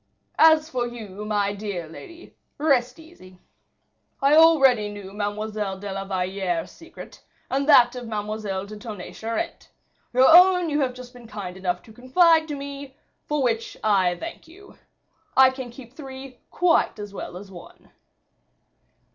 As for you, my dear lady, rest easy. I already knew Mademoiselle de la Valliere's secret, and that of Mademoiselle de Tonnay Charente; your own you have just been kind enough to confide to me; for which I thank you. I can keep three quite as well as one."